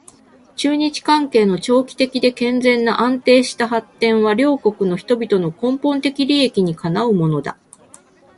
中日関係の長期的で健全な安定した発展は両国の人々の根本的利益にかなうものだ